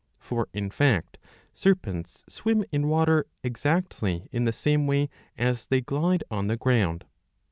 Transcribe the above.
For in fact serpents swim in water exactly in the same way as they glide on the ground.